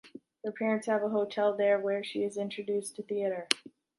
Her parents have a hotel there where she is introduced to theater.